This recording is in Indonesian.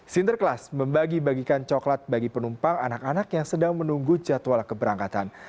sinterklas membagi bagikan coklat bagi penumpang anak anak yang sedang menunggu jadwal keberangkatan